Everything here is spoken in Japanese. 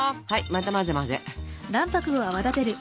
はいまた混ぜ混ぜ。